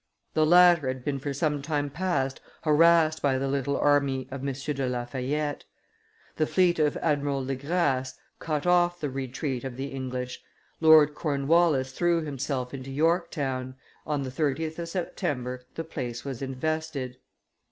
The latter had been for some time past harassed by the little army of M. de La Fayette. The fleet of Admiral de Grasse cut off the retreat of the English. Lord Cornwallis threw himself into Yorktown; on the 30th of September the place was invested.